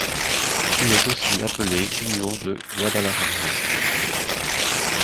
Il est aussi appelé Union de Guadalajara.